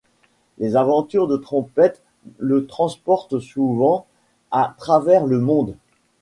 Les aventures de Trompette le transportent souvent à travers le monde.